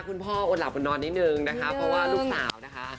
คุณพ่ออดหลับอดนอนนิดนึงนะคะเพราะว่าลูกสาวนะคะ